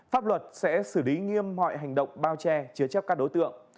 pháp luật sẽ xử lý nghiêm mọi hành động bao che chứa chấp các đối tượng